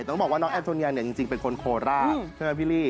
ต้องบอกว่าน้องแอนโทเนียเนี่ยจริงเป็นคนโคราชใช่ไหมพี่ลี่